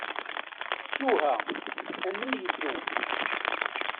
Ttuha, amen yeddu.